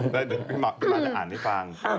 เดี๋ยวพี่ม้าจะอ่านให้ฟัง